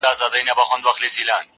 دغه ګناه مي لویه خدایه په بخښلو ارزي.